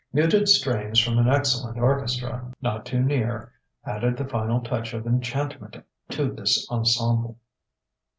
Muted strains from an excellent orchestra, not too near, added the final touch of enchantment to this ensemble.